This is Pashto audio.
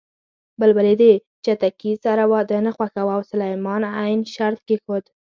بلبلې د چتکي سره واده نه خوښاوه او سلیمان ع شرط کېښود